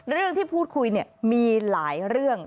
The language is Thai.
เรื่องที่พูดคุยเนี่ยมีหลายเรื่อง